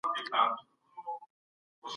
د پښتني وجدان